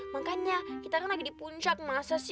makanya kita kan lagi di puncak masa sih